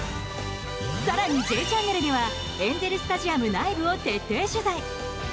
更に「Ｊチャンネル」ではエンゼル・スタジアム内部を徹底取材。